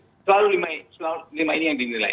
selalu lima ini yang dinilai